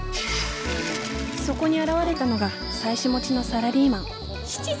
そこに現れたのが妻子持ちのサラリーマン七三